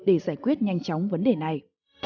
để giải quyết nhanh chóng vấn đề này